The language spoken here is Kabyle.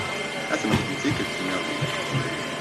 Ad t-nexdem tikkelt nniḍen.